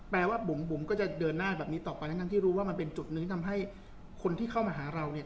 ว่าบุ๋มก็จะเดินหน้าแบบนี้ต่อไปทั้งที่รู้ว่ามันเป็นจุดหนึ่งที่ทำให้คนที่เข้ามาหาเราเนี่ย